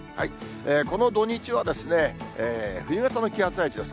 この土日は冬型の気圧配置です。